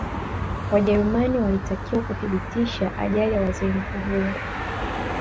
wajerumani walitakiwa kuthibitishe ajali ya waziri mkuu huyo